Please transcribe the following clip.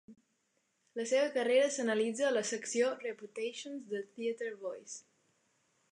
La seva carrera s'analitza a la secció "Reputations" de TheatreVoice.